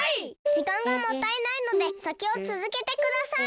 じかんがもったいないのでさきをつづけてください。